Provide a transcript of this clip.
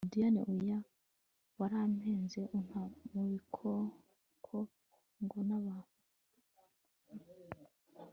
DianeOya warampenze unta mubikoko ngo nabantu